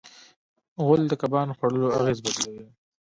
غول د کبان خوړلو اغېز بدلوي.